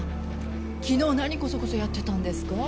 昨日何コソコソやってたんですか？